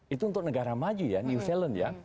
itu untuk negara maju ya new zealand ya